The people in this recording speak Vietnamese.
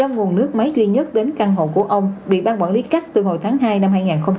nguồn nước máy duy nhất đến căn hộ của ông bị ban quản lý cách từ hồi tháng hai năm hai nghìn hai mươi